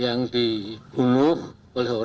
tapi kita harus tarik memori